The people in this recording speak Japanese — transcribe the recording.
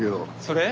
それ？